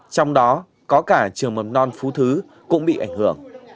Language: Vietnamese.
trong đó có cả trường mầm non phú thứ cũng bị ảnh hưởng